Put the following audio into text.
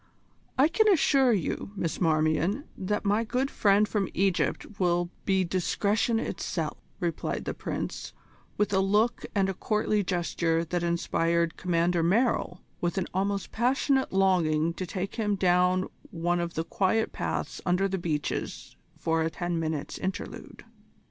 "I can assure you, Miss Marmion, that my good friend from Egypt will be discretion itself," replied the Prince, with a look and a courtly gesture that inspired Commander Merrill with an almost passionate longing to take him down one of the quiet paths under the beeches for a ten minutes' interlude.